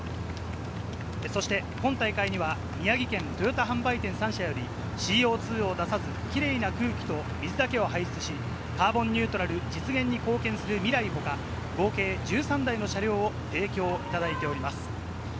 そして今大会には、宮城県トヨタ販売店３社よりＣＯ２を出さず、キレイな空気と水だけを排出し、カーボンニュートラル実現に貢献するＭＩＲＡＩ他、合計１３台の車両を提供いただいております。